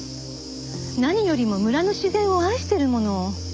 何よりも村の自然を愛してるもの。